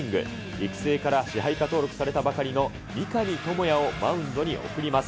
育成から支配下登録されたばかりの三上朋也をマウンドに送ります。